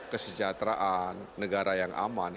kesejahteraan negara yang aman